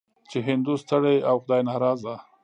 چې هندو ستړی او خدای ناراضه.